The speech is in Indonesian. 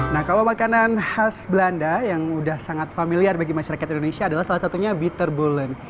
nah kalau makanan khas belanda yang sudah sangat familiar bagi masyarakat indonesia adalah salah satunya betterbolen